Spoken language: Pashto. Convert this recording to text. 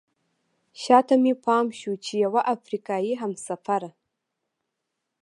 شاته مې پام شو چې یوه افریقایي همسفره.